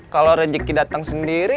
kalo rezeki dateng sendiri